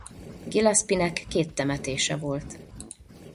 Gillespinek két temetése volt.